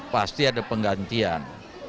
pasti ada penggantian